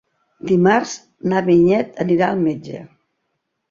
Dimarts na Vinyet anirà al metge.